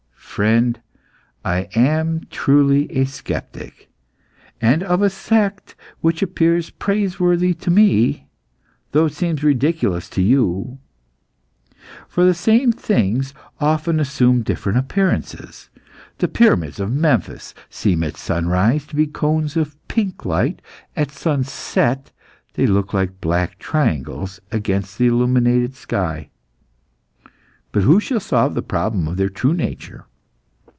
"Friend, I am truly a sceptic, and of a sect which appears praiseworthy to me, though it seems ridiculous to you. For the same things often assume different appearances. The pyramids of Memphis seem at sunrise to be cones of pink light. At sunset they look like black triangles against the illuminated sky. But who shall solve the problem of their true nature?